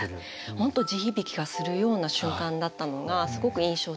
本当地響きがするような瞬間だったのがすごく印象的で。